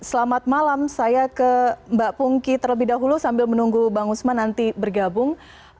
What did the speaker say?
selamat malam saya ke mbak pungki terlebih dahulu sambil menunggu bang usman nanti bergabung